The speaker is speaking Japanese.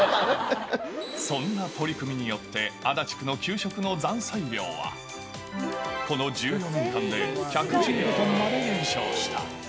そんな取り組みによって、足立区の給食の残菜量は、この１４年間で１１５トンまで減少した。